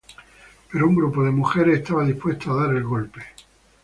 Pero un grupo de mujeres estaba dispuesto a dar el golpe.